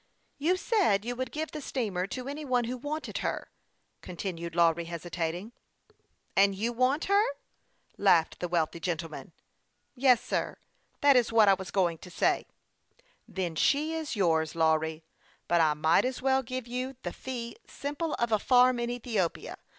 " You said you would give the steamer to any one who wanted her," continued Lawry, hesitating. " And you want her ?" laughed the wealthy gen tleman. THE YOUNG PILOT OF LAKE CHAMPLAIX. 73 " Yes, sir ; that is what I was going to say." " Then she is yours, Lawry ; but I might as well give you the fee simple of a farm in Ethiopia.